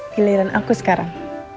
pilihan aku sekarang